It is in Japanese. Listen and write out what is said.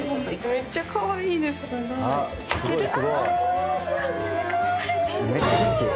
・めっちゃかわいいです・かわいい。